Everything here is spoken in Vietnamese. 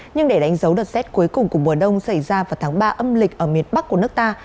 nhưng để đánh dấu đợt rét cuối cùng của mùa đông xảy ra vào tháng ba âm lịch ở miền bắc của nước ta